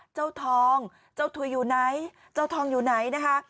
เจ้าทองเจ้าถุยอยู่ไหนเจ้าทองอยู่ไหนนะคะ